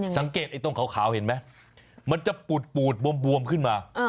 ไอ้ตรงขาวเห็นไหมมันจะปูดบวมขึ้นมา